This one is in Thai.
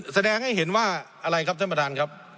แสดงให้เห็นว่าอะไรครับท่านประธานครับ